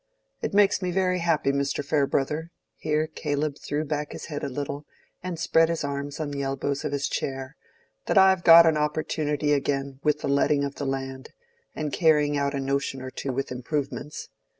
It makes me very happy, Mr. Farebrother"—here Caleb threw back his head a little, and spread his arms on the elbows of his chair—"that I've got an opportunity again with the letting of the land, and carrying out a notion or two with improvements.